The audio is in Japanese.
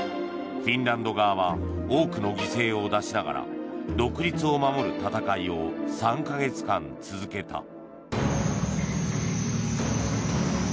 フィンランド側は多くの犠牲を出しながら独立を守る戦いを３か月間、続けた。